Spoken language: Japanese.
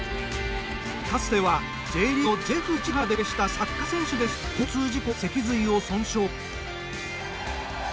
かつては、Ｊリーグのジェフ市原でプレーしたサッカー選手でしたが交通事故で脊髄を損傷。